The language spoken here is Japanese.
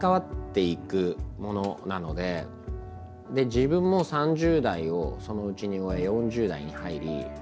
自分も３０代をそのうちに終え４０代に入り。